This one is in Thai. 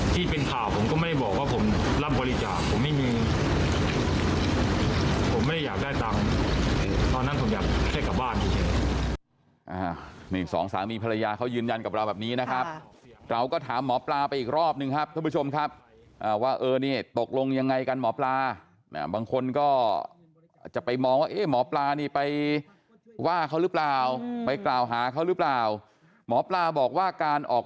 ตอนนั้นผมอยากเช็คกับบ้าน